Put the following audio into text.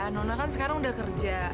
nono kan sekarang udah kerja